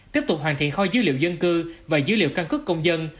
tiếp tục hoàn thiện kho dữ liệu dân cư và dữ liệu căn cứ công dân